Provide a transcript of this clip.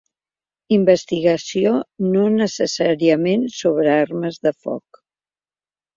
Investigació, no necessàriament sobre armes de foc.